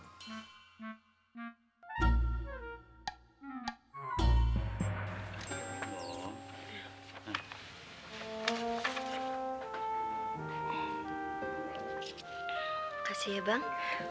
terima kasih ya bang